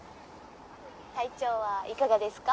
「体調はいかがですか？」